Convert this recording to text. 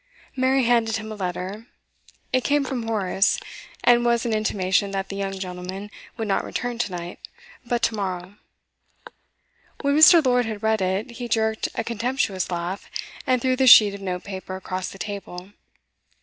Mary handed him a letter; it came from Horace, and was an intimation that the young gentleman would not return to night, but to morrow. When Mr. Lord had read it, he jerked a contemptuous laugh, and threw the sheet of note paper across the table.